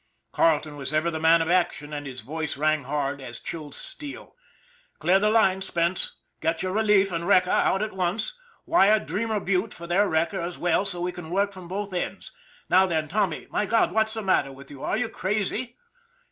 Carleton was ever the man of action, and his voice rang hard as chilled steel. " Clear the line, Spence. Get your relief and wrecker out at once. Wire Dreamer Butte for their wrecker as well, so they can work from both ends. Now then, Tommy my God, what's the matter with you, are you crazy?"